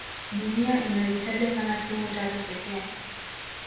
dunia inazitaja sana timu tatu pekee